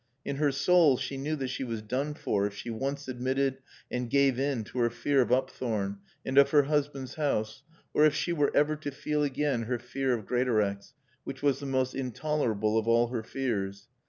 In her soul she knew that she was done for if she once admitted and gave in to her fear of Upthorne and of her husband's house, or if she were ever to feel again her fear of Greatorex, which was the most intolerable of all her fears.